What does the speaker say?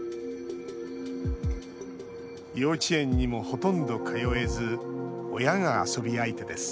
幼稚園にも、ほとんど通えず親が遊び相手です